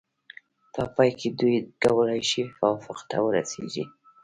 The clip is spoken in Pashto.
په پای کې دوی کولای شي توافق ته ورسیږي.